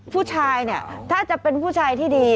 ผู้ชายเนี่ยถ้าจะเป็นผู้ชายที่ดี